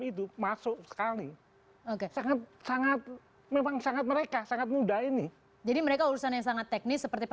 itu masuk sekali oke sangat sangat memang sangat mereka sangat muda ini jadi mereka urusan yang sangat teknis seperti